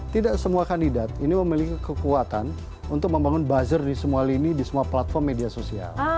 tidak semua kandidat ini memiliki kekuatan untuk membangun buzzer di semua lini di semua platform media sosial